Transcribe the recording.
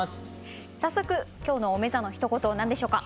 早速今日の「おめざ」のひと言何でしょうか？